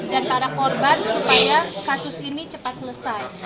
dan para korban supaya kasus ini cepat selesai